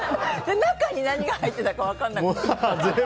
中に何が入っているか分からなくなる。